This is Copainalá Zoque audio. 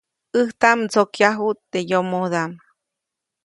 ʼÄjtaʼm ndsokyajuʼt teʼ yomodaʼm.